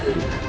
saya tidak tahu